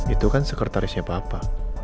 itu kan sekretarisnya papa